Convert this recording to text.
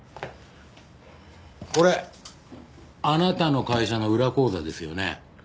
これあなたの会社の裏口座ですよね？